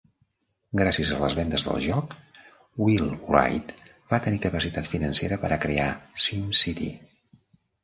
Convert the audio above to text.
Gràcies a les vendes del joc, Will Wright va tenir capacitat financera per a crear SimCity.